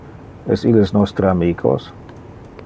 Es illes nostre amicos?